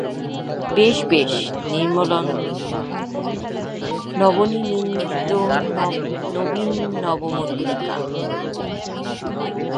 বেশ বেশ– নির্মলনবনীনিন্দিতনবীননবমল্লিকা!